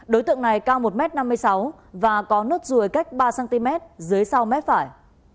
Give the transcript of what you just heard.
đối tượng này cao một m năm mươi sáu và có nốt ruồi cách ba cm dưới sau mép phải